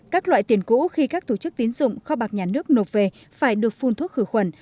các loại tiền cũ khi các tổ chức tiến dụng kho bạc nhà nước nộp về phải được phun thuốc khử khuẩn